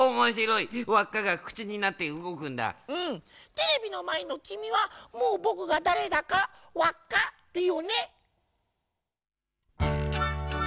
「テレビのまえのきみはもうぼくがだれだかわっかるよね？」。